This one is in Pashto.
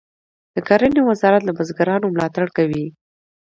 د کرنې وزارت له بزګرانو ملاتړ کوي.